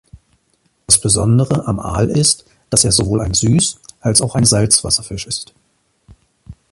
Das Besondere am Aal ist, dass er sowohl ein Süßals auch ein Salzwasserfisch ist.